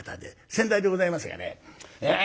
先代でございますがねええ